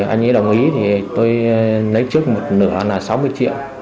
anh ấy đồng ý thì tôi lấy trước một nửa là sáu mươi triệu